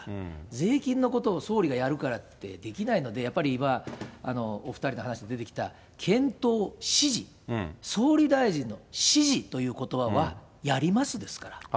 税金のことを総理がやるからってできないので、やっぱり今、お２人の話にも出てきた検討、指示、総理大臣の指示ということばは、やりますですから。